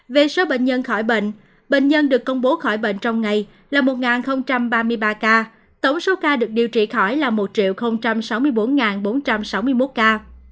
về số bệnh nhân khỏi bệnh bệnh nhân được công bố khỏi bệnh trong ngày là một ba mươi ba ca tổng số ca được điều trị khỏi là một sáu mươi bốn bốn trăm sáu mươi một ca